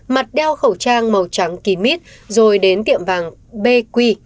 mặt đeo khẩu trang màu trắng kì mít rồi đến tiệm vàng bqi